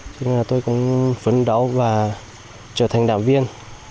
cho nên là tôi cũng phấn đấu và trở thành đảng viên